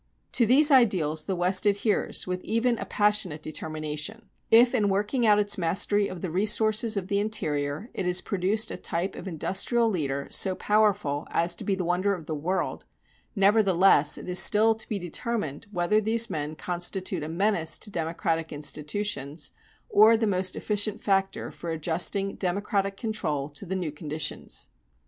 To these ideals the West adheres with even a passionate determination. If, in working out its mastery of the resources of the interior, it has produced a type of industrial leader so powerful as to be the wonder of the world, nevertheless, it is still to be determined whether these men constitute a menace to democratic institutions, or the most efficient factor for adjusting democratic control to the new conditions.